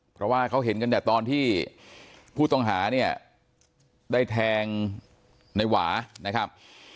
เพราะว่าเขาเห็นกันแต่ตอนที่ผู้ต้องหาเนี่ยได้แทงในหวานะครับ